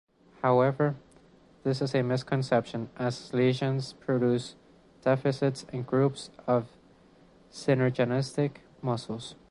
However, this is a misconception, as lesions produce deficits in groups of synergistic muscles.